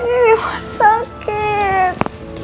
ini ini sakit